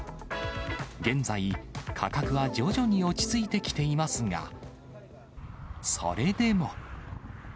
現在、価格は徐々に落ち着いてきていますが、それでも。